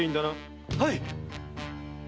はい。